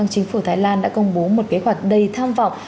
chính phủ thái lan đã công bố một kế hoạch đầy tham vọng